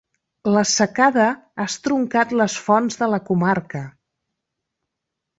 La secada ha estroncat les fonts de la comarca.